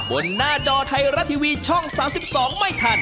หน้าจอไทยรัฐทีวีช่อง๓๒ไม่ทัน